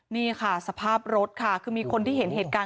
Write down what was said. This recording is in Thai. นี่ค่ะสภาพรถค่ะคือมีคนที่เห็นเหตุการณ์